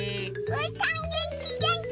うーたんげんきげんき！